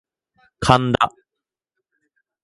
神田